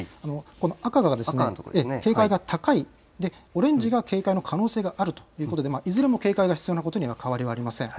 赤の所が警戒が高い、オレンジが警戒の可能性があるということでいずれも警戒が必要なことには変わりありません。